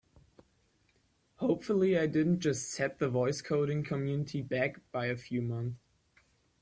Hopefully I didn't just set the voice coding community back by a few months!